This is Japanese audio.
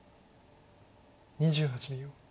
２８秒。